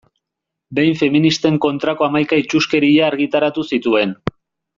Behin feministen kontrako hamaika itsuskeria argitaratu zituen.